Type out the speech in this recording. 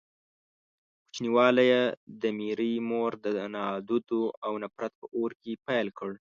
کوچنيوالی يې د ميرې مور د نادودو او نفرت په اور کې پيل کړ.